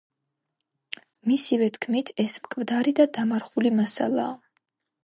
მისივე თქმით, ეს მკვდარი და დამარხული მასალაა.